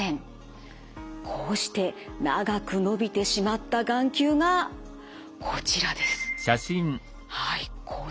こうして長く伸びてしまった眼球がこちらです。